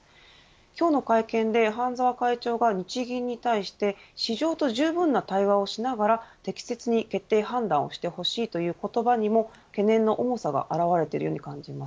今日の会見で半沢会長が日銀に対して市場とじゅうぶんな対話をしながら適切に決定判断をしてほしいという言葉にも懸念の重さが現れているように感じます。